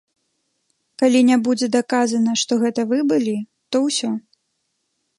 Калі не будзе даказана, што гэта вы былі, то ўсё.